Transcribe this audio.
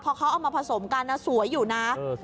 พอเขาเอามาผสมกันสวยอยู่นะ